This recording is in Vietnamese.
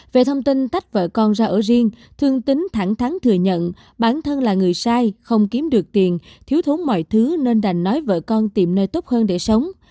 về thông tin tách vợ con ra ở riêng thương tính thẳng thắng thừa nhận bản thân là người sai không kiếm được tiền thiếu thốn mọi thứ nên đành nói vợ con tìm nơi tốt hơn để sống